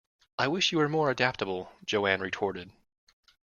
I wish you were more adaptable, Joan retorted.